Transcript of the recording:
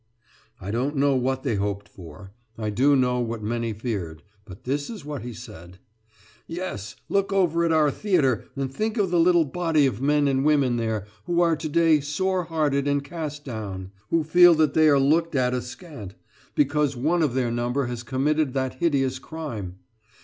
I don't know what they hoped for I do know what many feared; but this is what he said: "Yes, look over at our theatre and think of the little body of men and women there, who are to day sore hearted and cast down; who feel that they are looked at askant, because one of their number has committed that hideous crime!